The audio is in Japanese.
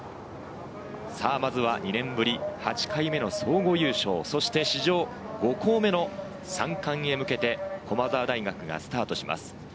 さぁまずは２年ぶり、８回目の総合優勝、そして史上５校目の３冠に向けて、駒澤大学がスタートします。